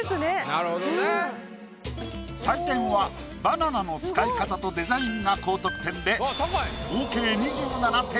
採点はバナナの使い方とデザインが高得点で合計２７点。